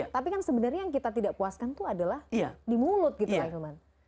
tapi kan sebenarnya yang kita tidak puaskan tuh adalah di mulut gitu pak hilman